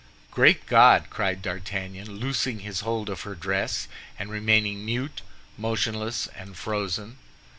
"Great God!" cried D'Artagnan, loosing his hold of her dress, and remaining mute, motionless, and frozen.